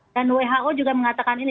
dan who juga mengatakan ini